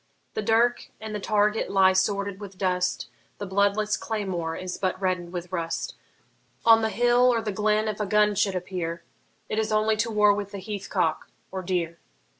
The dirk and the target lie sordid with dust, The bloodless claymore is but redden'd with rust; On the hill or the glen if a gun should appear, It is only to war with the heath cock or deer.